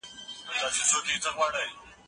د نجونو لیلیه په تصادفي ډول نه ټاکل کیږي.